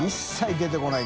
出てこない。